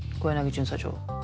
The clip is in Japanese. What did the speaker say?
巡査長。